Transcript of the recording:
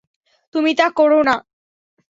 তুমি তা করো না।